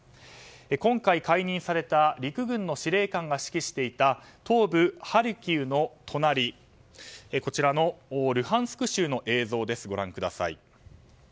今回、解任された陸軍の司令官が指揮していた東部ハルキウの隣ルハンスク州の映像です。